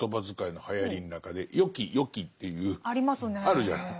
あるじゃない。